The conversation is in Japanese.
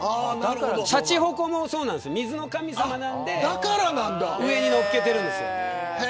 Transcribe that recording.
しゃちほこも水の神様なので上に乗っけてるんです。